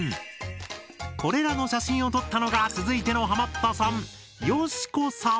これらの写真を撮ったのが続いてのハマったさん